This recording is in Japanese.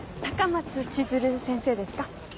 高松千鶴先生ですか？